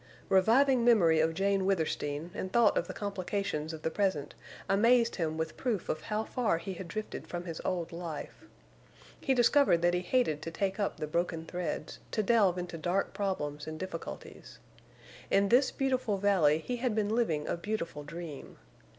Reviving memory of Jane Withersteen and thought of the complications of the present amazed him with proof of how far he had drifted from his old life. He discovered that he hated to take up the broken threads, to delve into dark problems and difficulties. In this beautiful valley he had been living a beautiful dream.